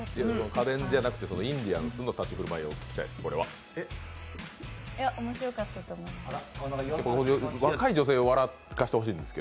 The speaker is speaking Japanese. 家電じゃなくてインディアンスの立ち振る舞いを聞きたいんです。